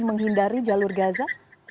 menghindari jalur gaza